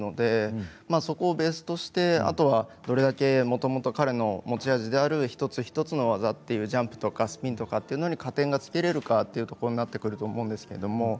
そこをベースとして、あとはどれだけもともと彼の持ち味である一つ一つの技というジャンプとかスピンとかというものに加点がつけられるかというところになってくると思います。